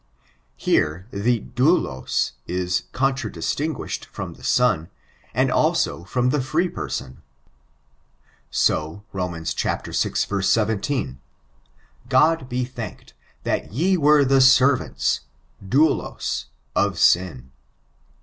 Here the dotdos is contradistinguished from the son, and also from the fr ee person. So, Rom. vi. 17, God be thanked, that ye were the servants, daulos, of sin."